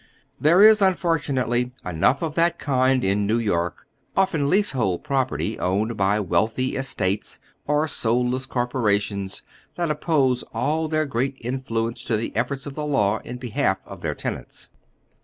There is unfortunately enough of that kind in "New York, often leasehold property owned by wealthy estates or soul less corporations that oppose all their great influence to the efforts of the law in behalf of their tenants.